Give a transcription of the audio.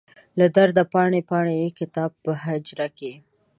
له درده پاڼې، پاڼې یې کتاب په حجره کې